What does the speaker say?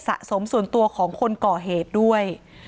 สะสมส่วนตัวของคนก่อเหตุด้วย